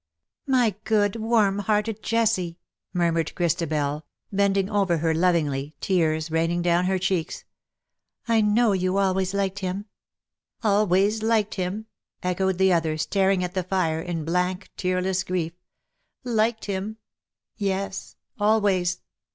" My good warm hearted Jessie !" murmured Christabel, bending over her lovingly, tears rain ing down her cheeks ;" I know you always liked him.^' " Always liked him !" echoed the other, staring at the fire, in blank tearless grief; ^' liked him? yes, always."